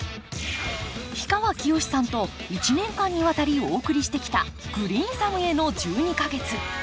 氷川きよしさんと１年間にわたりお送りしてきた「グリーンサムへの１２か月」。